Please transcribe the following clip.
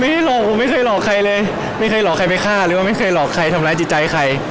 หลอกผมไม่เคยหลอกใครเลยไม่เคยหลอกใครไปฆ่าหรือว่าไม่เคยหลอกใครทำร้ายจิตใจใคร